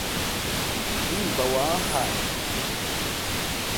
Bí ngbawa á ha ɛ ?